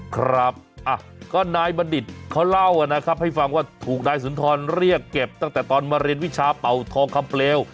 ครับก็นายบัณฑิตเขาเล่านะครับให้ฟังว่าถูกนายสุนทรเรียกเก็บตั้งแต่ตอนมาเรียนวิชาเป่าทองคำเปลว